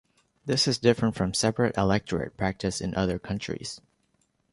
This is different from separate electorate practiced in other countries.